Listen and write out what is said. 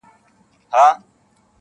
له نیکونو راته پاته بې حسابه زر لرمه.